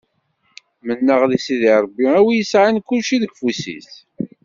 Menneɣ di Sidi Ṛebbi a wi yesɛan kulci deg ufus-is.